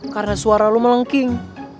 karena suara lo melengking